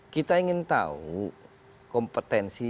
kita ingin tahu kompetensi